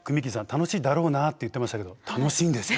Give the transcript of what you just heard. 「楽しいだろうな」って言ってましたけど楽しいんですよ。